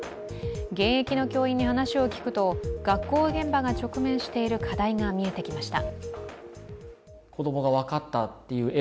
現役の教員に話を聞くと、学校現場が直面している課題が見えてきました。